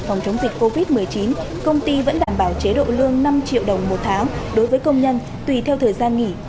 phòng chống dịch covid một mươi chín công ty vẫn đảm bảo chế độ lương năm triệu đồng một tháng đối với công nhân tùy theo thời gian nghỉ